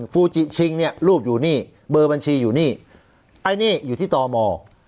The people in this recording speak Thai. ฟูจิชิงเนี่ยรูปอยู่นี่เบอร์บัญชีอยู่นี่ไอ้นี่อยู่ที่ตม